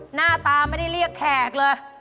หน้าตาไม่ได้เรียกแขกเลย